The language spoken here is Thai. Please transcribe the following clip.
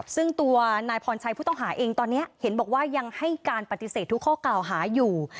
ซึ่งตัวนายพรชัยผู้ต้องหาเองตอนนี้เห็นบอกว่ายังให้การปฏิเสธทุกข้อกล่าวหาอยู่